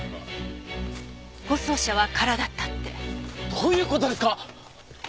どういう事ですか！？